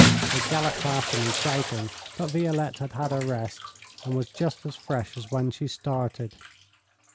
They galloped after me, shouting, but Violette had had her rest, and was just as fresh as when she started.